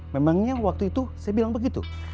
memangnya waktu itu saya bilang begitu